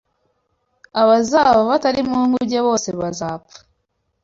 Abazaba batari mu nkuge bose bazapfa